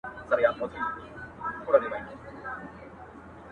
ننګرهار او کندهار